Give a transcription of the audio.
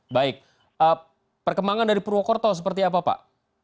baik perkembangan dari purwokerto seperti apa pak